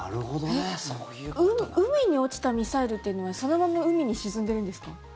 海に落ちたミサイルというのはそのまま海に沈んでいるんですか？